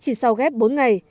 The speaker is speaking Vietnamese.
chỉ sau ghép bốn ngày